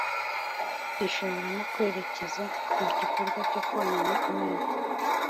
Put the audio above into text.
Rishobora no kwerekeza ku gikorwa cyo konona abana